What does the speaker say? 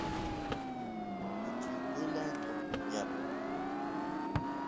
kuchi utula ñotqo tiyapun